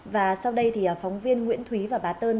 và sau đây thì phóng viên nguyễn thúy và bá tơn